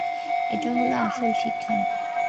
এটাই হলো আসল শিক্ষা।